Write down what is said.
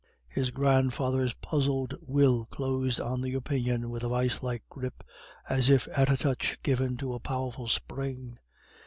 His grandfather's puzzled will closed on the opinion with a vice like grip, as if at a touch given to a powerful spring.